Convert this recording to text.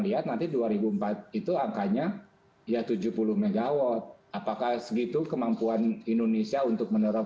lihat nanti dua ribu empat itu angkanya ya tujuh puluh mw apakah segitu kemampuan indonesia untuk mendorong